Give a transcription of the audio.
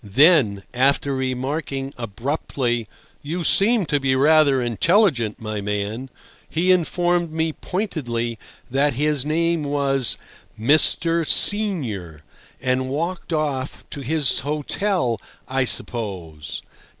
Then, after remarking abruptly, "You seem to be rather intelligent, my man," he informed me pointedly that his name was Mr. Senior, and walked off—to his hotel, I suppose.